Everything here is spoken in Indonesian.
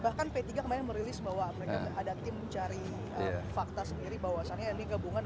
bahkan p tiga kemarin merilis bahwa mereka ada tim mencari fakta sendiri bahwasannya ini gabungan